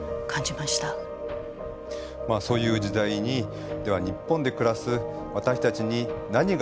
まあそういう時代に日本で暮らす私たちに何ができるのか。